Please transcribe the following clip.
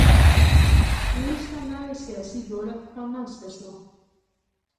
وروسته نوی سیاسي جوړښت رامنځته شو